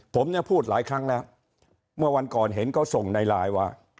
ผมเนี่ยพูดหลายครั้งแล้วเมื่อวันก่อนเห็นเขาส่งในไลน์ว่า